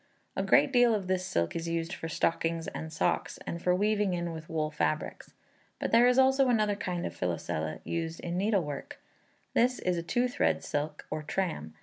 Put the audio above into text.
A great deal of this silk is used for stockings and socks, and for weaving in with wool fabrics, but there is also another kind of Filoselle used in needlework. This is two thread silk, or "tram."